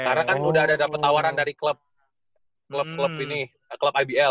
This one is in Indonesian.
karena kan udah ada petawaran dari klub klub klub ini klub dbl